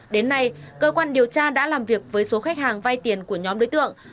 đến nay cơ quan điều tra đã làm việc với số khách hàng vay tiền của nhóm đối tượng